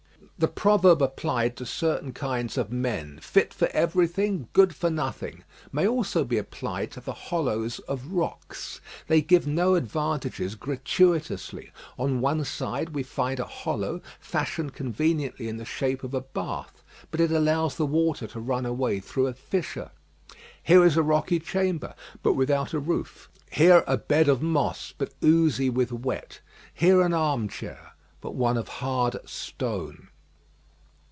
The proverb applied to certain kinds of men "Fit for everything, good for nothing" may also be applied to the hollows of rocks. They give no advantages gratuitously. On one side we find a hollow fashioned conveniently in the shape of a bath; but it allows the water to run away through a fissure. Here is a rocky chamber, but without a roof; here a bed of moss, but oozy with wet; here an arm chair, but one of hard stone.